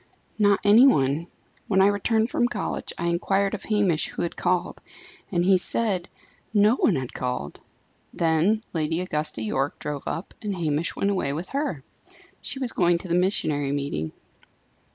"Not any one. When I returned from college I inquired of Hamish who had called, and he said no one had called. Then Lady Augusta Yorke drove up, and Hamish went away with her. She was going to the missionary meeting."